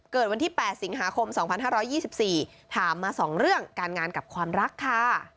วันที่๘สิงหาคม๒๕๒๔ถามมา๒เรื่องการงานกับความรักค่ะ